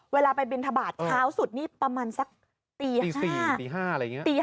เวลาไปบริณฑบาตเท้าสุดนี่ประมาณสักตี๔๕อะไรอย่างเงี้ย